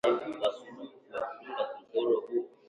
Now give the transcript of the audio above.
Sijaona yeyote mwengine kama wewe